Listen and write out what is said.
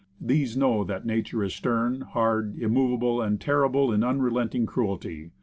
These know that nature is stern, hard, immovable and ter rible in unrelenting cruelty.